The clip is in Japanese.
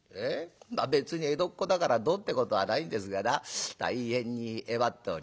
まあ別に江戸っ子だからどうってことはないんですがな大変にえばっておりまして。